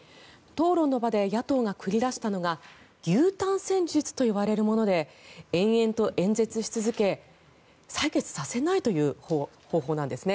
討論の場で野党が繰り出したのが牛タン戦術といわれるもので延々と演説し続け採決させないという方法なんです。